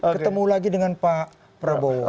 ketemu lagi dengan pak prabowo